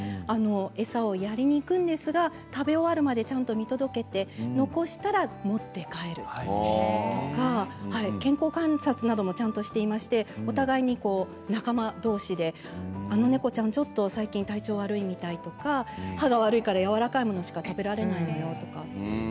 餌をやりに行くんですが食べ終わるまでちゃんと見届けて残したら持って帰るとか健康観察なども、ちゃんとしていましてお互いに仲間同士であの猫ちゃん、ちょっと最近体調悪いみたいとか歯が悪いからやわらかいものしか食べられないとか。